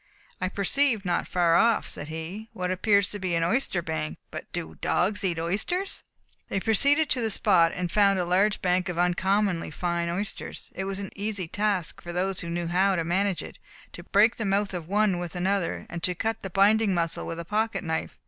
"I perceive not far off," said he, "what appears to be an oyster bank, but do dogs eat oysters?" They proceeded to the spot, and found a large bank of uncommonly fine oysters. It was an easy task for those who knew how to manage it, to break the mouth of one with another and to cut the binding muscle with a pocket knife.